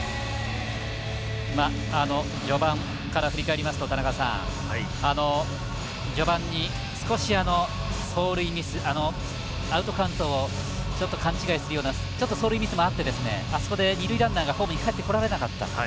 序盤から振り返りますと序盤に少し走塁ミスアウトカウントを勘違いするような走塁ミスもあってあそこで二塁ランナーがホームにかえってこられなかった。